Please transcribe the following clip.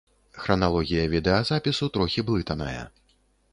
Храналогія відэазапісу трохі блытаная.